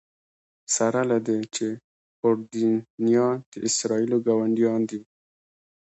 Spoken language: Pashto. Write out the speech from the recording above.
سره له دې چې اردنیان د اسرائیلو ګاونډیان دي.